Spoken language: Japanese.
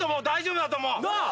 大丈夫だと思う。